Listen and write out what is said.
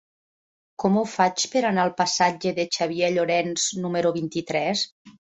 Com ho faig per anar al passatge de Xavier Llorens número vint-i-tres?